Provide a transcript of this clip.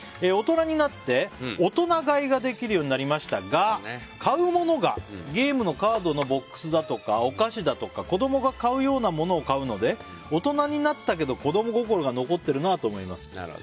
大人になって大人買いができるようになりましたが買うものがゲームのカードのボックスだとかお菓子だとか子供が買うようなものを買うので大人になったけど子供心が残っているなと思います。